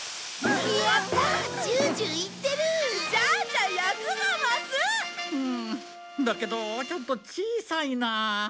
うーんだけどちょっと小さいなあ。